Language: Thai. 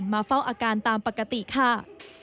มาเฝ้าอาการตามปกติค่ะ